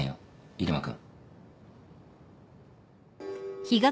入間君。